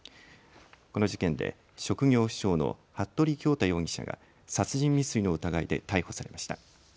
この事件で職業不詳の服部恭太容疑者が殺人未遂の疑いで逮捕されました。